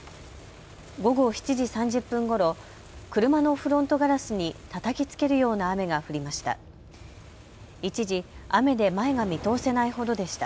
午後７時３０分ごろ、車のフロントガラスにたたきつけるような雨が降りました。